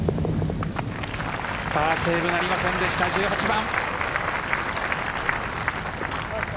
パーセーブなりませんでした１８番。